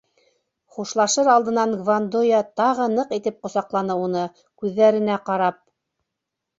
Хушлашыр алдынан Гвандоя тағы ныҡ итеп ҡосаҡланы уны, күҙҙәренә ҡарап: